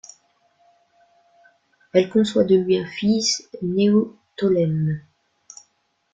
Elle conçoit de lui un fils, Néoptolème.